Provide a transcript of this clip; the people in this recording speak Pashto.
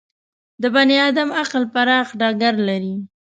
د بني ادم عقل پراخ ډګر لري.